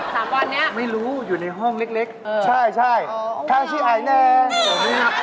แต่เพิ่งมีค่ะเพิ่งมีค่ะเพราะว่าก่อนหน้านี้ที่เกาหลีไม่มีนี้